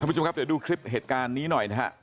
ผู้ชมครับเดี๋ยวดูคลิปเหตุการณ์นี้หน่อยนะฮะ